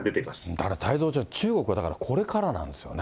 だから太蔵ちゃん、中国はこれからなんですよね。